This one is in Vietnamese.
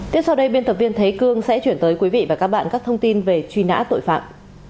tiếp sau đây biên tập viên thế cương sẽ chuyển tới quý vị và các bạn các thông tin về truy nã tội phạm